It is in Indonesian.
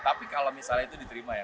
tapi kalau misalnya itu diterima ya